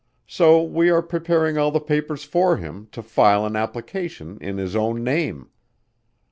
So we are preparing all the papers for him to file an application in his own name.